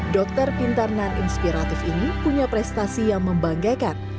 dokter pintar dan inspiratif ini punya prestasi yang membanggakan